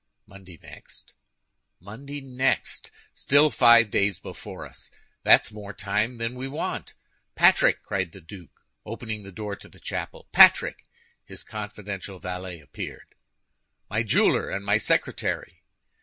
"Monday next." "Monday next! Still five days before us. That's more time than we want. Patrick!" cried the duke, opening the door of the chapel, "Patrick!" His confidential valet appeared. "My jeweler and my secretary."